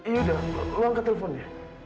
ya udah lo angkat teleponnya